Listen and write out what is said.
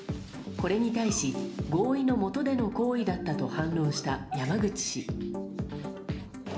これに対し合意の下での行為だったと反論した山口氏。